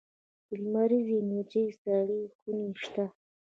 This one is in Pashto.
د لمریزې انرژۍ سړې خونې شته؟